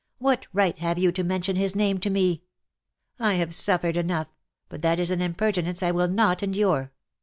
What right have you to mention his name to me ? I have suffered enough, but that is an impertinence I will not endure.